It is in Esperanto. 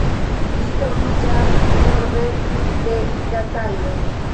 Ĝi troviĝas norde de Rataje.